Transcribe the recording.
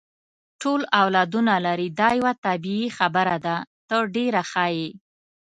ټول اولادونه لري، دا یوه طبیعي خبره ده، ته ډېره ښه یې.